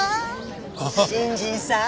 新人さん？